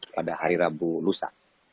pada hari rabu lusa